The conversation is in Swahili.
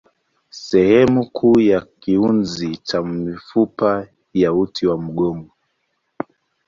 Sehemu kuu ya kiunzi cha mifupa ni uti wa mgongo.